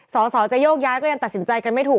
สอสอจะโยกย้ายก็ยังตัดสินใจกันไม่ถูก